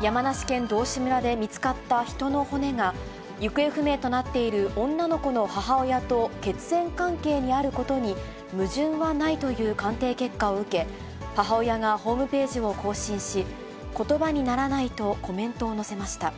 山梨県道志村で見つかった人の骨が、行方不明となっている女の子の母親と血縁関係にあることに、矛盾はないという鑑定結果を受け、母親がホームページを更新し、ことばにならないとコメントを載せました。